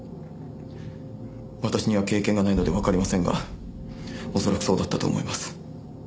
私には経験がないのでわかりませんが恐らくそうだったと思います。